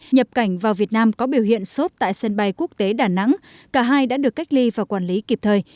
nhập cảnh vào việt nam có biểu hiện sốt tại sân bay quốc tế đà nẵng cả hai đã được cách ly và quản lý kịp thời